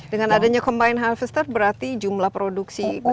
dengan adanya combine harvester berarti jumlah produksi